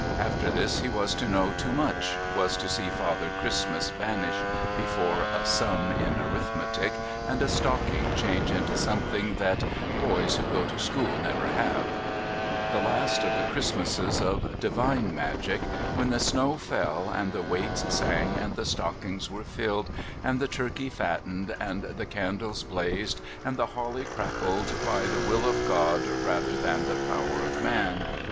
After this he was to know too much, was to see Father Christmas vanish before a sum in arithmetic, and a stocking change into something that "boys who go to school never have" the last of the Christmases of divine magic, when the snow fell and the waits sang and the stockings were filled and the turkey fattened and the candles blazed and the holly crackled by the will of God rather than the power of man.